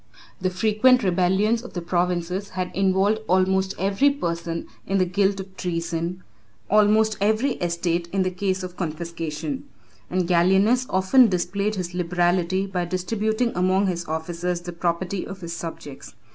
The frequent rebellions of the provinces had involved almost every person in the guilt of treason, almost every estate in the case of confiscation; and Gallienus often displayed his liberality by distributing among his officers the property of his subjects.